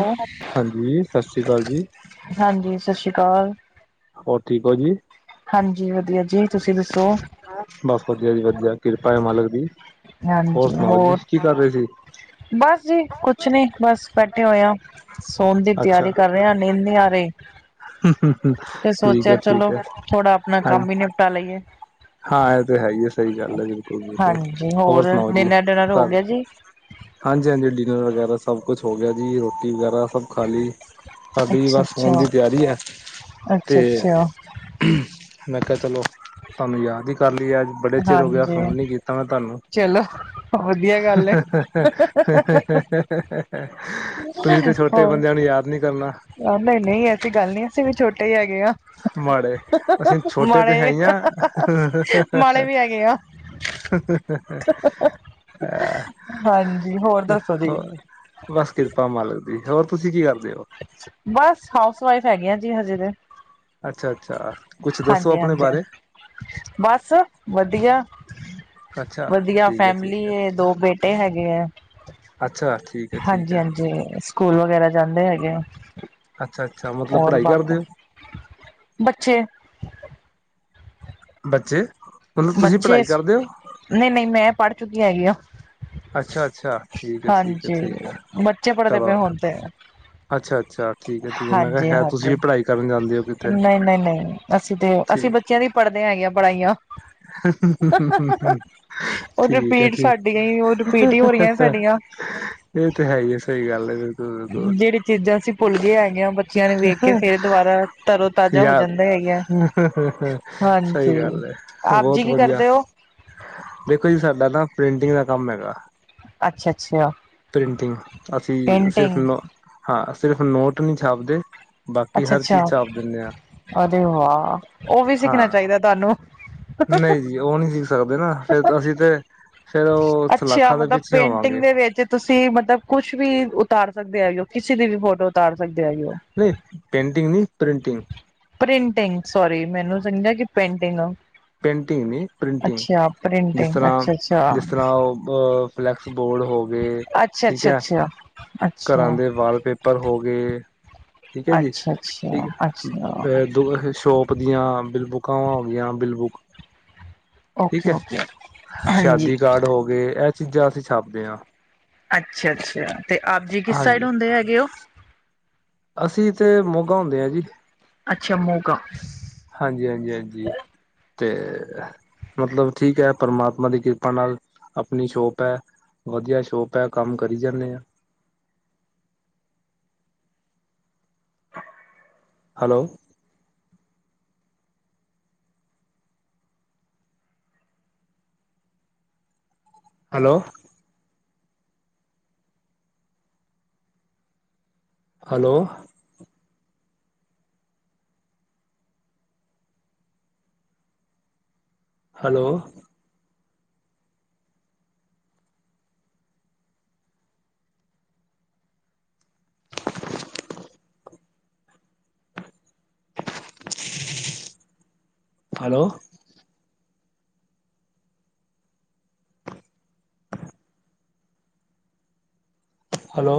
Hello ਹਾਂਜੀ, ਸਤਿ ਸ਼੍ਰੀ ਅਕਾਲ ਜੀ। ਹਾਂਜੀ, ਸਤਿ ਸ੍ਰੀ ਅਕਾਲ। ਹੋਰ ਠੀਕ ਹੋ ਜੀ? ਹਾਂਜੀ, ਵਧੀਆ ਜੀ। ਤੁਸੀਂ ਦੱਸੋ? ਬਸ ਵਧੀਆ ਜੀ ਵਧੀਆ, ਕਿਰਪਾ ਹੈ ਮਾਲਕ ਦੀ, ਹੋਰ ਸੁਣਾਓ ਜੀ ਕੀ ਕਰ ਰਹੇ ਸੀ? ਬਸ ਜੀ, ਕੁਛ ਨੀ ਬਸ ਬੈਠੇ ਹੋਏ ਆ, ਸੋਣ ਦੀ ਅੱਛਾ, ਤਿਆਰੀ ਕਰ ਰਹੇ ਹਾਂ, ਨੀਂਦ ਨ ਆਹੀ। ਤੇ ਠੀਕ ਸੋਚਿਆ, ਹੈ ਠੀਕ ਚਲੋ ਹੈ। ਥੋੜਾ ਆਪਣਾ ਹਾਂਜੀ, ਕੰਮ ਵੀ ਨਿਪਟਾ ਲਈਏ। ਹਾਂ ਇਹ ਤੇ ਹੈ ਹੀ ਹੈ ਸਹੀ ਗੱਲ ਹੈ, ਬਿਲਕੁਲ -ਬਿਲਕੁਲ ਹਾਂਜੀ ਹੋਰ ਸੁਣਾਓ ਜੀ ਡਿਨਰ ਡਿਨਰ ਹੋ ਘਰ ਗਿਆ ਜੀ ਹਾਂਜੀ -ਹਾਂਜੀ, ਡਿਨਰ ਵਗੈਰਾ ਸਭ ਕੁਛ ਹੋ ਗਿਆ ਜੀ ਰੋਟੀ ਵਗੈਰਾ ਸਭ ਖਾ ਲੀ। ਸਾਡੀ ਅੱਛਾ ਬਸ ਸੌਣ ਦੀ ਅੱਛਾ ਤਿਆਰੀ ਹੈ, ਤੇ ਅੱਛਾ ਅੱਛਾ ਮੈਂ ਕਿਹਾ ਚਲੋ। ਤੁਹਾਨੂੰ ਯਾਦ ਹੀ ਕਰ ਲਈ ਏ ਅੱਜ। ਬੜੇ ਚਿਰ ਹੋ ਗਿਆ, ਹਾਂਜੀ ਫੋਨ ਨੀ ਕੀਤਾ ਮੈਂ ਤੁਹਾਨੂੰ ਚਲੋ ਵਧੀਆ ਗੱਲ ਹੈ ਤੁਸੀਂ ਤੇ ਛੋਟੇ ਬੰਦਿਆਂ ਨੂੰ ਯਾਦ ਨੀ ਕਰਨਾ ਹ ਨਹੀਂ -ਨਹੀਂ ਐਸੀ ਗੱਲ ਨੀ, ਅਸੀਂ ਵੀ ਛੋਟੇ ਹੀ ਹੈਗੇ ਹਾਂ ਮਾੜੇ, ਅਸੀਂ ਛੋਟੇ ਤੇ ਹੈ ਹੀ ਹਾਂ। ਮਾੜੇ ਵੀ ਹੈਗੇ ਆ ਹ ਹਾਂਜੀ ਹੋਰ ਦੱਸੋ ਜੀ ਹੋਰ। ਬਸ ਕਿਰਪਾ ਮਾਲਕ ਦੀ, ਹੋਰ ਤੁਸੀਂ ਕੀ ਕਰਦੇ ਹੋ ਬਸ ਹਾਊਸ ਵਾਈਫ ਹੈਗੇ ਆਂ ਜੀ ਹਜੇ ਤੇ ਅੱਛਾ -ਅੱਛਾ, ਕੁਛ ਦੱਸੋ ਆਪਣੇ ਹਾਂਜੀ ਬਾਰੇ ਬਸ ਵਧੀਆ ਅੱਛਾ -ਵਧੀਆ ਠੀਕ ਹੈ ਫੈਮਲੀ ਠੀਕ ਹੈ ਏ, ਦੋ ਬੇਟੇ ਤੇ ਹੈਗੇ ਹੈ। ਅੱਛਾ ਠੀਕ ਹੈ ਠੀਕ ਹਾਂਜੀ ਹੈ -ਹਾਂਜੀ, ਸਕੂਲ ਵਗੈਰਾ ਜਾਂਦੇ ਹੈਗੇ ਅੱਛਾ- ਅੱਛਾ। ਮਤਲਬ ਹੋਰ ਪੜ੍ਹਾਈ ਬਾਕੀ ਕਰਦੇ ਹੋ ਬੱਚੇ ਬੱਚੇ। ਤੁਸੀਂ ਬੱਚੇ ਪੜ੍ਹਾਈ ਕਰਦੇ ਹੋ ਨਹੀਂ- ਨਹੀਂ ਮੈਂ ਪੜ੍ਹ ਚੁੱਕੀ ਹੈਗੀ ਆਂ। ਅੱਛਾ ਅੱਛਾ ਠੀਕ ਹੈ ਠੀਕ ਹੈ ਹਾਂਜੀ ਠੀਕ ਹੈ ਬੱਚੇ ਪੜ੍ਹਦੇ ਪਏ ਚਲੋ ਹੁਣ ਤੇ। ਅੱਛਾ ਅੱਛਾ ਠੀਕ ਹੈ ਠੀਕ ਹੈ ਮੈਂ ਕਿਹਾ ਹਾਂਜੀ- ਸ਼ਾਇਦ ਹਾਂਜੀ, ਤੁਸੀਂ ਵੀ ਪੜ੍ਹਾਈ ਕਰਨ ਜਾਂਦੇ ਹੋ ਕਿਤੇ ਨਹੀਂ- ਨਹੀਂ -ਨਹੀਂ, ਅਸੀਂ ਤੇ ਅਸੀਂ ਬਸ ਬੱਚਿਆਂ ਦੀ ਪੜ੍ਹਦੇਆਂ ਹੈਗੀਆਂ ਪੜ੍ਹਾਈਆਂ। ਹੂ ਉਹ ਠੀਕ ਹੈ, ਰਿਪੀਟ ਠੀਕ। ਸਾਡੀਆਂ ਹੀ ਉਹ ਰਿਪੀਟ ਹੀ ਹੋ ਰਹੀਆਂ ਸਾਡੀਆਂ ਇਹ ਤੇ ਹੈ ਹੀ ਏ, ਸਹੀ ਗੱਲ ਹੈ ਫਿਰ ਜਿਹੜੀ ਚੀਜ਼ਾਂ ਅਸੀਂ ਭੁੱਲ ਗਏ ਹੈਗੇ ਐ, ਬੱਚੀਆਂ ਨੂੰ ਵੇਖ ਕੇ ਫੇਰ ਦੁਬਾਰਾ ਤਰੋ ਤਾਜ਼ਾ ਹੋ ਯਾਰ ਜਾਂਦਾ ਹੈਗਾ। ਸਹੀ ਹਾਂਜੀ, ਗੱਲ ਹੈ। ਆਪ ਜੀ ਬਹੁਤ ਕੀ ਵਧੀਆ, ਕਰਦੇ ਹੋ? ਦੇਖੋ ਜੀ ਸਾਡਾ ਨਾ ਪ੍ਰਿੰਟਿੰਗ ਦਾ ਕੰਮ ਹੈਗਾ। ਅੱਛਾ- ਅੱਛਾ। ਪ੍ਰਿੰਟਿੰਗ ਅਸੀਂ ਸਿਰਫ ਹਾਂ ਸਿਰਫ ਨੋਟ ਨਹੀਂ ਛਾਪਦੇ। ਬਾਕੀ ਅੱਛਾ- ਹਰ ਅੱਛਾ, ਚੀਜ਼ ਛਾਪ ਦਿੰਦੇ ਹਾਂ ਅਰੇ ਵਾਹ, ਉਹ ਵੀ ਹਾਂ ਸਿੱਖਣਾ ਚਾਹੀਦਾ ਤੁਹਾਨੂੰ। ਨਹੀਂ ਜੀ ਉਹ ਨਹੀਂ ਸਿੱਖ ਸਕਦੇ ਨਾ, ਫੇਰ ਅਸੀਂ ਤੇ, ਫੇਰ ਉਹ ਅੱਛਾ ਸਲਾਖਾਂ ਦੇ ਮਤਲਬ ਪਿੱਛੇ ਪੇਂਟਿੰਗ ਹੋਵਾਂਗੇ। ਦੇ ਵਿੱਚ ਤੁਸੀਂ ਮਤਲਬ ਕੁਛ ਵੀ ਉਤਾਰ ਸਕਦੇ ਹੇਗੈ ਹੋ, ਕਿਸੇ ਦੀ ਵੀ ਫੋਟੋ ਉਤਾਰ ਸਕਦੇ ਆ ਹੋ ਨਹੀਂ ਪੇਟਿੰਗ ਨਹੀਂ ਪ੍ਰਿੰਟੀਗ ਪ੍ਰਿੰਟਿੰਗ ਸੋਰੀ, ਮੈਨੂੰ ਸਮਝਿਆ ਕਿ ਪੇਟਿੰਗ ਪੇਟਿੰਗ ਨੀ ਪ੍ਰਿੰਟਿੰਗ, ਜਿਸ ਪ੍ਰਿੰਟਿੰਗ ਤਰ੍ਹਾਂ ਅੱਛਾ-ਅੱਛਾ, ਜਿਸ ਤਰ੍ਹਾਂ ਉਹ ਫਲੈਕਸ ਬੋਰਡ ਹੋ ਗਏ ਠੀਕ ਹੈ, ਅੱਛਾ-ਅੱਛਾ, ਘਰਾਂ ਅੱਛਾ। ਅੱਛਾ, ਦੇ ਵਾਲਪੇਪਰ ਪੇਪਰ ਹੋ ਗਏ ਠੀਕ ਹੈ ਜੀ, ਅੱਛਾ-ਅੱਛਾ, ਠੀਕ ਅੱਛਾ ਦੋ ਸ਼ੋਪ ੳਦੀਆਂ ਬਿਲ ਬੁੱਕਾਂਵਾਂ ਹੋ ਗਈਆਂ ਬਿਲਬੁੱਕ ਠੀਕ ਹੈ, ਓਕੇ-ਓਕੇ। ਹਾਂਜੀ ਸ਼ਾਦੀ ਕਾਰਡ ਹੋ ਗਏ, ਇਹ ਚੀਜ਼ਾਂ ਅਸੀਂ ਛਾਪਦੇ ਹਾਂ। ਅੱਛਾ-ਅੱਛਾ ਤੇ ਆਪ ਜੀ ਕਿਸ ਸਾਈਡ ਹਾਂਜੀ ਹੁੰਦੇ ਹੈਗੇ ਉਹ ਅਸੀਂ ਤੇ ਮੋਗਾ ਹੁੰਦੇ ਹਾਂ ਜੀ ਅੱਛਾ ਮੋਗਾ ਹਾਂਜੀ-ਹਾਂਜੀ-ਹਾਂਜੀ, ਤੇ ਮਤਲਬ ਠੀਕ ਐ, ਪਰਮਾਤਮਾ ਦੀ ਕਿਰਪਾ ਨਾਲ ਅਪਨੀ ਸ਼ੋਪ ਐ। ਵਧੀਆ ਸ਼ੋਪ ਐ, ਕੰਮ ਕਰੀ ਜਾਨੇ ਆਂ। Hello hello hello hello hello hello